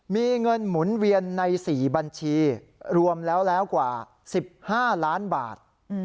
มีเงินหมุนเวียนใน๔บัญชีรวมแล้วแล้วกว่า๑๕ล้านบาท